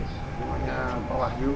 rumahnya pak wahyu